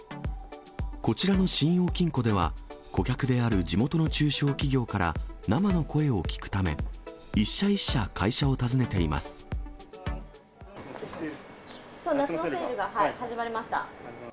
こちらの信用金庫では、顧客である地元の中小企業から、生の声を聞くため、一社一社、そう、夏のセールが始まりました。